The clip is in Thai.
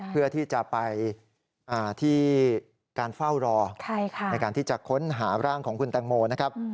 เพื่อที่จะไปที่การเฝ้ารอในการที่จะค้นหาร่างของคุณแตงโมนะครับ